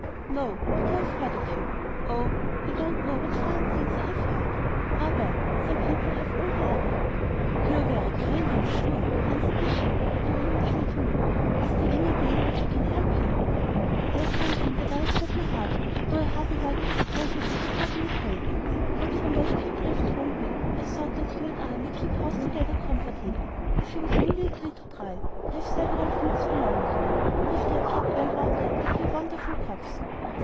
'No; but I have heard of you. Oh! You don't know what fine things I have heard! Ah, well, some people have all the luck!' 'You are very kind, I am sure,' answered the sheep, not knowing which way to look. 'Is there any way in which I can help you?' 'There is something that I had set my heart on, though I hardly like to propose it on so short an acquaintance; but from what people have told me, I thought that you and I might keep house together comfortably, if you would only agree to try. I have several fields belonging to me, and if they are kept well watered they bear wonderful crops.